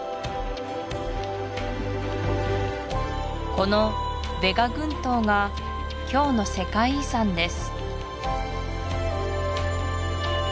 このヴェガ群島が今日の世界遺産です